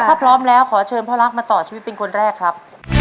ถ้าพร้อมแล้วขอเชิญพ่อรักมาต่อชีวิตเป็นคนแรกครับ